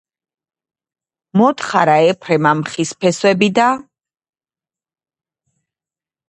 მოთხარა ეფრემამ ხის ფესვები და...